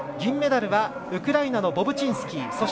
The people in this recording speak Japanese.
銀メダルはウクライナのボブチンスキー。